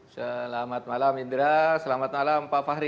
selamat malam indra selamat malam pak fahri